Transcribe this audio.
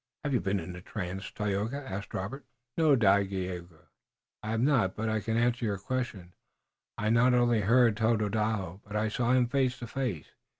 "Have you been in a trance, Tayoga?" asked Robert. "No, Dagaeoga, I have not, but I can answer your question. I not only heard Tododaho, but I saw him face to face.